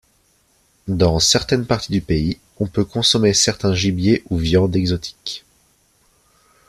Dans certaines parties du pays, on peut consommer certains gibiers ou viandes exotiques.